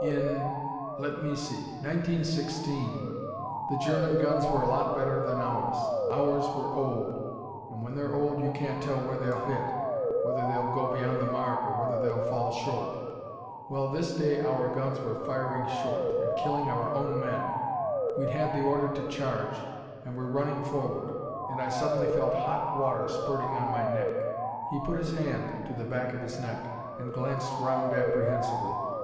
In let me see 1916, the German guns were a lot better than ours. Ours were old, and when they're old you can't tell where they'll hit: whether they'll go beyond the mark, or whether they'll fall short. Well, this day our guns were firing short, and killing our own men. We'd had the order to charge, and were running forward, and I suddenly felt hot water spurting on my neck " He put his hand to the back of his neck and glanced round apprehensively.